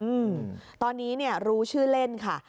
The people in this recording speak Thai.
อืมตอนนี้รู้ชื่อเล่นค่ะ